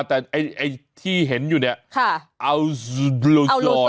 แต่ไอ้ที่เห็นอยู่เนี่ย